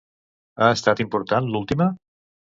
Ha estat important l'última?